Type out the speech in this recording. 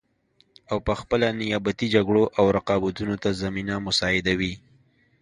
او پخپله نیابتي جګړو او رقابتونو ته زمینه مساعدوي